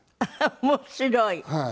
面白い。